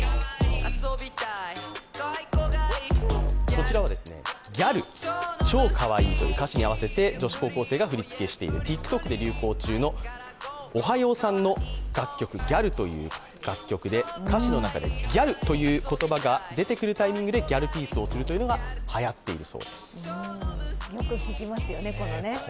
こちらはギャル、超かわいいという歌詞に合わせて女子高校生が振り付けしている、ＴｉｋＴｏｋで流行中の楽曲、ＯＨＡＹＯさんの「ＧＡＬ」という楽曲で貸しの中で「ギャル」という言葉が出るタイミングでギャルピースをやるのが、はやっているそうです。